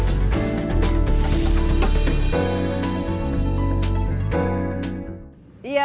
pembangunan infrastruktur dan konektivitas menjadi sebuah keharusan dalam mewujudkan cita cita besar indonesia menjadi poros maritim dunia